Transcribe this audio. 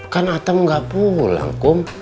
kan atam gak pulang kok